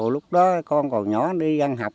lúc đó con còn nhỏ đi ăn học